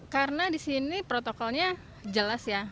karena di sini protokolnya jelas ya